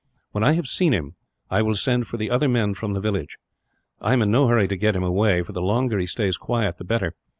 When I have seen him, I will send for the other men from the village. I am in no hurry to get him away, for the longer he stays quiet, the better.